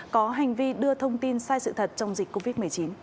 có hành vi đưa thông tin sai sự thật trong dịch covid một mươi chín